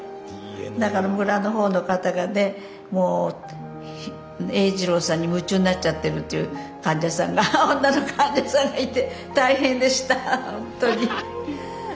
だから村の方の方がねもう栄一郎さんに夢中になっちゃってるっていう患者さんが女の患者さんがいて大変でしたほんとに。